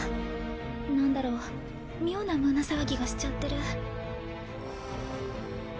何だろう妙な胸騒ぎがしちゃってる。